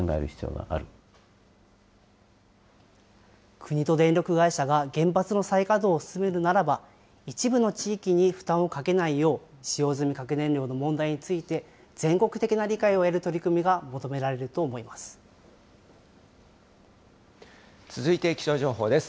国と電力会社が原発の再稼働を進めるならば、一部の地域に負担をかけないよう、使用済み核燃料の問題について、全国的な理解を得る取り組みが求続いて気象情報です。